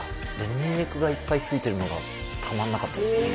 にんにくがいっぱい付いてるのがたまんなかったですね